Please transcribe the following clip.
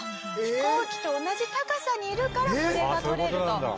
「飛行機と同じ高さにいるからこれが撮れると」